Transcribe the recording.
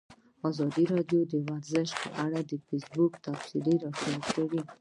ازادي راډیو د ورزش په اړه د فیسبوک تبصرې راټولې کړي.